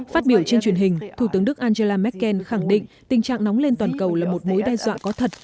phát biểu trên truyền hình thủ tướng đức angela merkel khẳng định tình trạng nóng lên toàn cầu là một mối đe dọa có thật